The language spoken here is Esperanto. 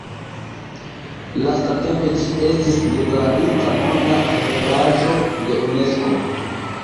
Lastatempe ĝi estis deklarita Monda heredaĵo de Unesko.